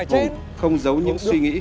hùng không giấu những suy nghĩ